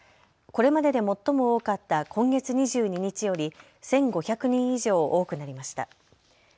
これまでで最も多かった今月２２日より１５００人以上多くなりました。